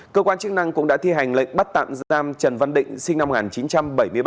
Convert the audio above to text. cơ quan chức năng cũng đã thi hành lệnh bắt tạm giam trần văn định sinh năm một nghìn chín trăm bảy mươi ba